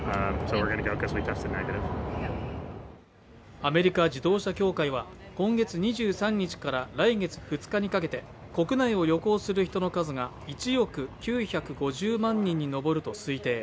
アメリカ自動車協会は今月２３日から来月２日にかけて国内を旅行する人の数が１億９５０万人に上ると推定。